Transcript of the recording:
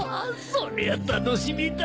そりゃ楽しみだ。